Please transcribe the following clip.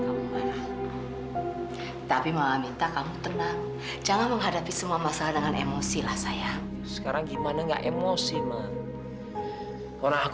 sampai jumpa di video selanjutnya